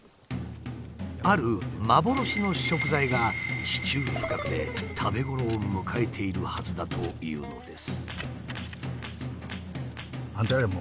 ある幻の食材が地中深くで食べ頃を迎えているはずだというのです。